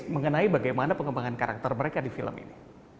mengenai bagaimana pengembangan karakter mereka di film ini